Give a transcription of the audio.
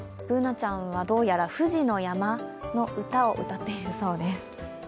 Ｂｏｏｎａちゃんはどうやら富士の山の歌を歌っているそうです。